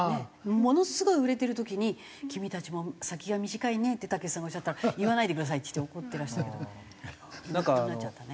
ものすごい売れてる時に「君たちも先が短いね」ってたけしさんがおっしゃったら「言わないでください」って言って怒ってらしたけどいなくなっちゃったね。